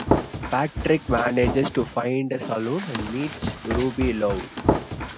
Patrick manages to find a saloon and meets Ruby Lou.